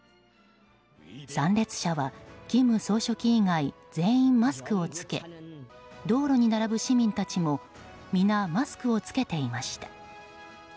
参列者は、金総書記以外全員マスクを着け道路に並ぶ市民たちも皆マスクを着けていました。